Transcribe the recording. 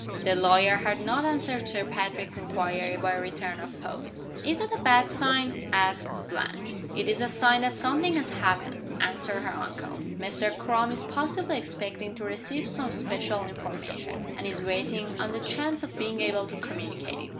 The lawyer had not answered Sir Patrick's inquiry by return of post. "Is that a bad sign?" asked Blanche. "It is a sign that something has happened," answered her uncle. "Mr. Crum is possibly expecting to receive some special information, and is waiting on the chance of being able to communicate it.